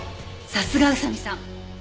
さすが宇佐見さん。